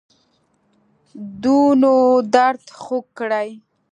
دونو درد خوږ کړی